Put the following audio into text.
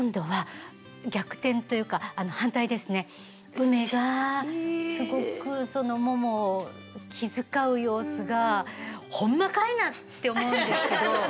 うめがすごくももを気遣う様子がホンマかいなって思うんですけど。